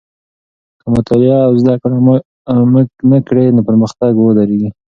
که مطالعه او زده کړه مه کوې، نو پرمختګ به ودرېږي.